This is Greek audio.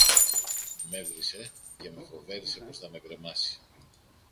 μ' έβρισε και με φοβέρισε πως θα με κρεμάσει